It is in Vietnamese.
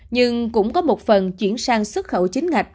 nhưng cũng có một phần chuyển sang xuất khẩu chính ngạch